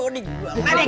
jalan dulu ya